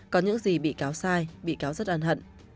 có những gì bị cáo sai bị cáo rất ân hận